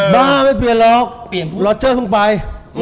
บ้าไม่เปลี่ยนหรอกลอเจอร์เพิ่งไป